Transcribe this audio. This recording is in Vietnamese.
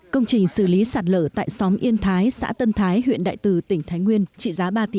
công trình xử lý sạt lở tại xóm yên thái xã tân thái huyện đại từ tỉnh thái nguyên trị giá ba tỷ